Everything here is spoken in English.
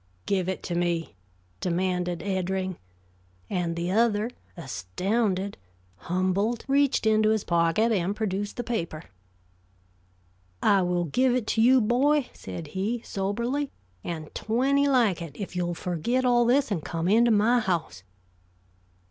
"Give it to me," demanded Eddring; and the other, astounded, humbled, reached into his pocket and produced the paper. "I will give it to you, boy," said he, soberly, "and twenty like it, if you'll forget all this and come into my house."